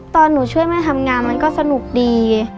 ตอนหนูช่วยแม่ทำงานมันก็สนุกดี